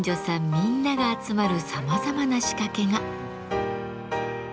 みんなが集まるさまざまな仕掛けが。